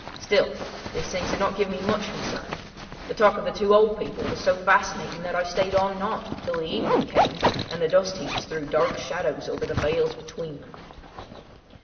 Still, these things did not give me much concern. The talk of the two old people was so fascinating that I stayed on and on, till the evening came and the dust heaps threw dark shadows over the vales between them.